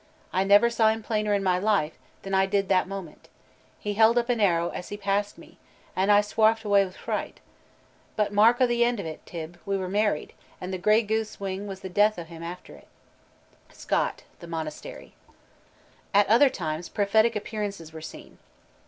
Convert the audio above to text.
I never saw him plainer in my life than I did that moment; he held up an arrow as he passed me, and I swarf'd awa' wi' fright.... But mark the end o' 't, Tibb: we were married, and the grey goose wing was the death o' him after a'.'" SCOTT: The Monastery. At times other prophetic appearances were seen.